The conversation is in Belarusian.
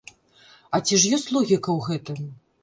А ці ж ёсць логіка ў гэтым?